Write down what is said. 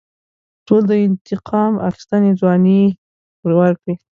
ټولو د انتقام اخیستنې ځوانۍ وکړې.